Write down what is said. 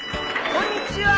・こんにちは。